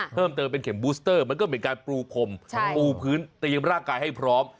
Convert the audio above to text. เพิ่มเติมเป็นเข็มบูสเตอร์มันก็เหมือนการปูพรมปูพื้นเตรียมร่างกายให้พร้อม